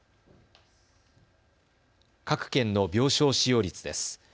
各県の病床使用率です。